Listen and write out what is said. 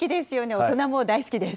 大人も大好きです。